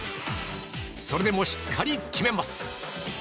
それでもしっかり決めます。